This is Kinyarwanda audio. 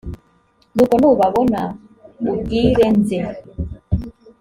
nuko nubabona ubwire nze